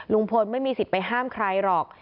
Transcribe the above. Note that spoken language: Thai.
ลุงพลไม่มีสิทธิ์ไปห้ามใครหรอก